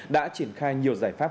đã triển khai nhiều giải pháp